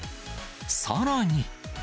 さらに。